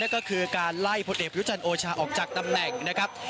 ก็คือการไล่พระเจ้าพระยุติธรรมโอชาออกจากตำแหน่ง